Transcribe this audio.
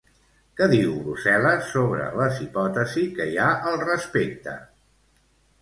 Què diu Brusel·les sobre les hipòtesis que hi ha al respecte?